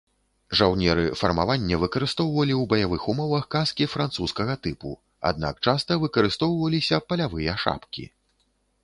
Жаўнеры фармавання выкарыстоўвалі ў баявых умовах каскі французскага тыпу, аднак часта выкарыстоўваліся палявыя шапкі.